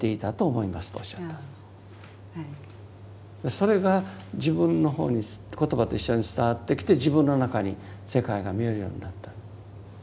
それが自分の方に言葉と一緒に伝わってきて自分の中に世界が見えるようになった。